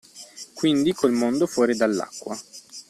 Quindi col mondo fuori dall’acqua.